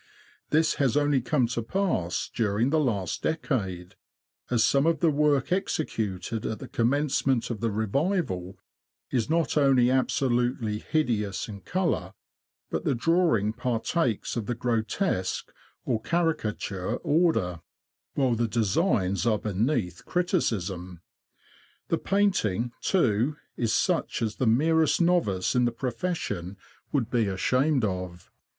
This has only come to pass during the last decade, as some of the work executed at the commencement of the revival is not only absolutely hideous in colour, but the drawing partakes of the grotesque or caricature order; while the designs are beneath criticism. The painting, too, is such as the " merest novice in the profession would be ashamed 46 THE LAND OF THE BROADS. of.